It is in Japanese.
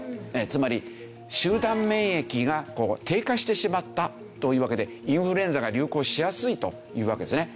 つまり集団免疫が低下してしまったというわけでインフルエンザが流行しやすいというわけですね。